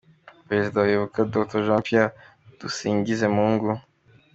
Perezida wa Ibuka Dr Jean Pierre Dusingizemungu.